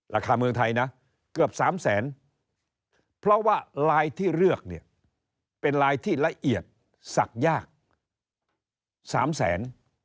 ราคาเมืองไทยเกือบสามแสนเพราะว่าลายที่เลือกเป็นลายที่ละเอียดสักยากสามแสน